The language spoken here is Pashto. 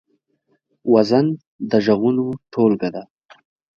وزن د غږونو ټولګه ده.